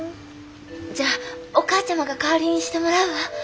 じゃあお母ちゃまが代わりにしてもらうわ。